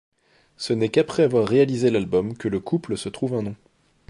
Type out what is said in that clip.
Ce n'est qu'après avoir réalisé l'album que le couple se trouve un nom.